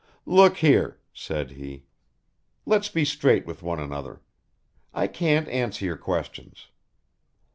"Look here," said he, "let's be straight with one another. I can't answer your questions.